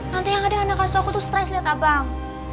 nanti yang ada anak kasih aku tuh stres lihat abang